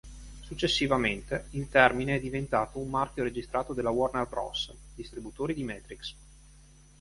Successivamente, il termine è diventato un marchio registrato della Warner Bros., distributori di Matrix.